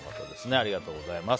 ありがとうございます。